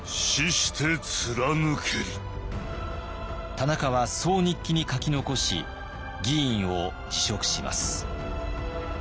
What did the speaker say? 田中はそう日記に書き残し議員を辞職します。